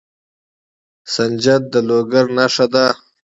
سنجد د لوګر نښه ده.